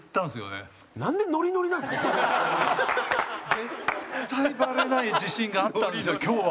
絶対バレない自信があったんですよ今日は。